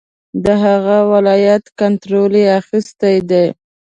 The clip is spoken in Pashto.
د هغه ولایت کنټرول یې اخیستی دی.